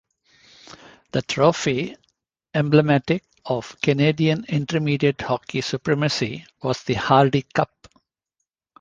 The trophy emblematic of Canadian Intermediate Hockey supremacy was the Hardy Cup.